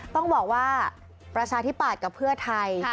ต้องบอกว่าประชาธิปัตย์กับเพื่อไทย